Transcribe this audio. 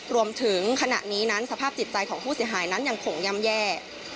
รวมถึงขณะนี้นั้นสภาพจิตใจของผู้เสียหายนั้นยังคงย่ำแย่